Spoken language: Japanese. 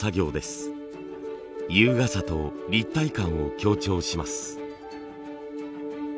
優雅さと立体感を強調します。